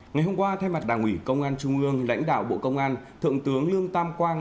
ngày hôm qua thay mặt đảng ủy công an trung ương lãnh đạo bộ công an thượng tướng lương tam quang